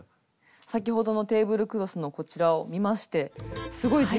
先ほどのテーブルクロスのこちらを見ましてすごい実感しました。